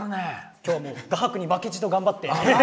今日は画伯に負けじと頑張って。